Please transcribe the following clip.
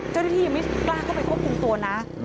เจ้าหน้าที่ยังไม่กล้าเข้าไปควบคุมตัวนะ